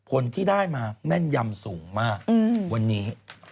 ผลที่ได้มาแม่นยำสูงมากวันนี้